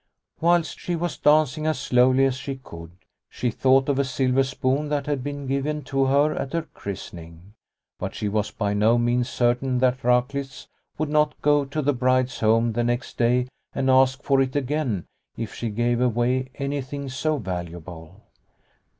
Whilst she was dancing as slowly as she could, she thought of a silver spoon that had been given to her at her christening. But she was by no means certain that Raklitz would not go to the bride's home the next day and ask for it again if she gave away anything so valuable.